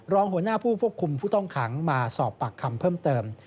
รองหัวหน้าผู้ควบคุมผู้ต้องขังมาสอบปากคำเพิ่มเติม